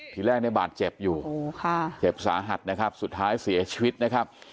ทีแรกในบาดเจ็บอยู่เจ็บสาหัสนะครับสุดท้ายเสียชีวิตนะครับ